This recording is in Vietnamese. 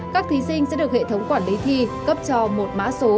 các thí sinh sẽ được hệ thống quản lý thi cấp cho một mã số